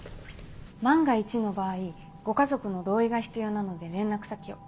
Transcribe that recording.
万が一の場合ご家族の同意が必要なので連絡先を。